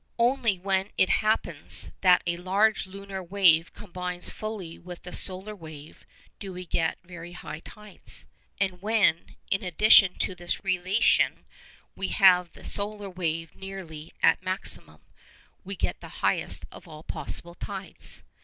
Only when it happens that a large lunar wave combines fully with the solar wave, do we get very high tides. And when, in addition to this relation, we have the solar wave nearly at a maximum, we get the highest of all possible tides.